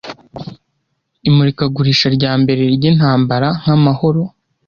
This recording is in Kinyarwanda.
Imurikagurisha ryambere ryintambara nkamahoro